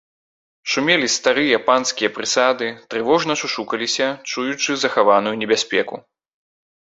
Шумелі старыя панскія прысады, трывожна шушукаліся, чуючы захаваную небяспеку.